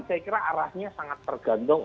saya kira arahnya sangat tergantung